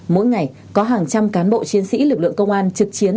mỗi ngày có hàng trăm cán bộ chiến sĩ lực lượng công an trực chiến